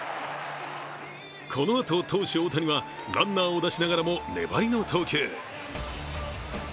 このあと投手・大谷はランナーを出しながらも粘りの投球。